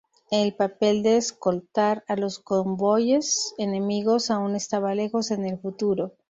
El papel de escoltar a los convoyes enemigos aún estaba lejos en el futuro.